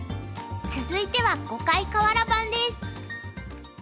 続いては「碁界かわら盤」です。